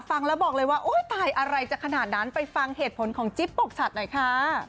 ฟังแล้วบอกเลยว่าโอ๊ยตายอะไรจะขนาดนั้นไปฟังเหตุผลของจิ๊บปกชัดหน่อยค่ะ